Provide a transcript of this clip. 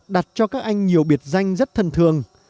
đặt cho các anh nhiều biệt danh rất thần thường